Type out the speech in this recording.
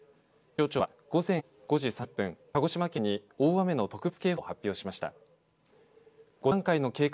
象庁は、鹿児島県に大雨の特別警報を発表しました。